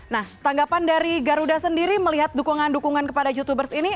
nah tanggapan dari garuda sendiri melihat dukungan dukungan kepada youtubers ini